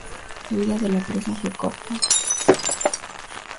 La vida de la presa fue corta.